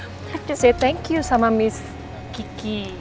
saya harus berterima kasih sama miss kiki